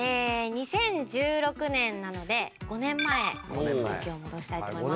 ２０１６年なので５年前に時を戻したいと思います。